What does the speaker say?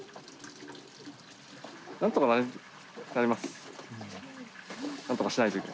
なんとかなります。